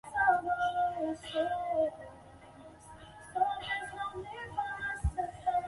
台湾光泽烟管蜗牛为烟管蜗牛科台湾烟管蜗牛属下的一个种。